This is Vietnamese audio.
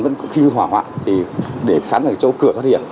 vẫn khi hỏa hoạn thì để sẵn ở chỗ cửa thoát hiểm